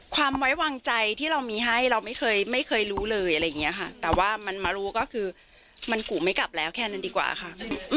ความไว้วางใจที่เรามีให้เราไม่เคยรู้เลยแต่ว่ามันมารู้ก็คือมันกลุ่มไม่กลับแล้วแค่นั้นดีกว่าค่ะ